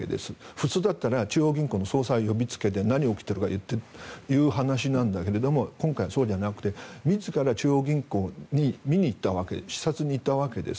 普通だったら中央銀行の総裁を呼びつけて何が起きてると聞くんだけどそうじゃなくて自ら中央銀行に視察に行ったわけです。